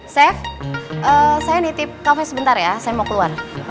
chef saya nitip kafe sebentar ya saya mau keluar